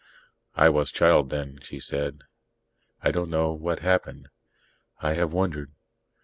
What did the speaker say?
"I was child then," she said, "I don't know what happened. I have wondered."